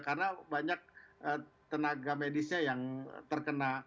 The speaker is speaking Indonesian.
karena banyak tenaga medisnya yang terkena